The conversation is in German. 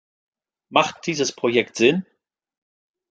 Macht dieses Projekt Sinn?